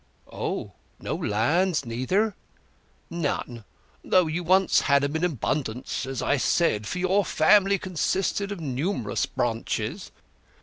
"Oh? No lands neither?" "None; though you once had 'em in abundance, as I said, for your family consisted of numerous branches.